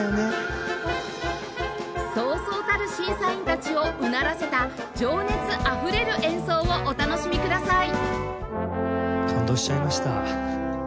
そうそうたる審査員たちをうならせた情熱あふれる演奏をお楽しみください